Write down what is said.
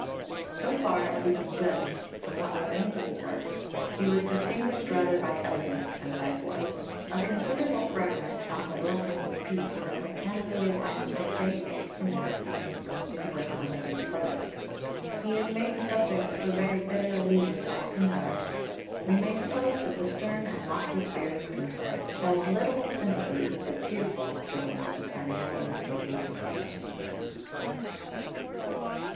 So far as we can judge from what remains of his works, he was distinguished rather by elegance than by force. A considerable fragment on the Blessings of Peace has been translated by Mr. J. A. Symonds in his work on the Greek poets. He is made the subject of a very bitter allusion by Pindar (Ol. ii. s. fin. c. Schol.) We may suppose that the stern and lofty spirit of Pindar had little sympathy with the "tearful" (Catullus, xxxviii.) strains of Simonides or his imitators.